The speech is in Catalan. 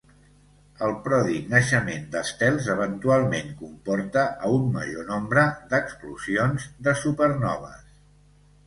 El pròdig naixement d'estels eventualment comporta a un major nombre d'explosions de supernoves.